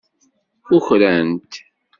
Kukrant.